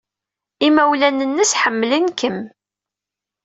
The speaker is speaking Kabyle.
Imawlan-nnes ḥemmlen-kem.